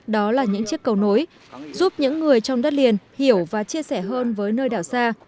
đó là những chiếc cầu nối giúp những người trong đất liền hiểu và chia sẻ hơn với nơi đảo xa